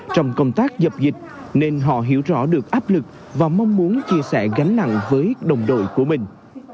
trong công tác dập dịch nên họ hiểu rõ được áp lực và mong muốn chia sẻ gánh nặng với đồng đội của mình